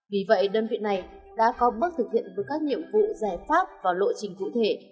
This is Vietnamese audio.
vì vậy đơn vị này đã có bước thực hiện với các nhiệm vụ giải pháp và lộ trình cụ thể